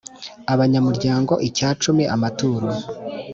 abanyamuryango icya cumi amaturo